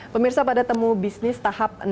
pemirsa pada temu bisnis tahap enam